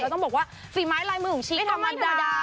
แล้วต้องบอกว่าฝีม้ายลายมือหุ่งชิ้นก็ไม่ธรรมดา